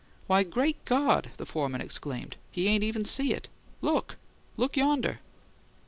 "Why, great God!" the foreman exclaimed. "He ain't even seen it. Look! Look yonder!"